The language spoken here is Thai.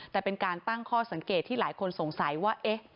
แต่เป็นการตั้งข้อสังเกตที่หลายคนสงสัยว่า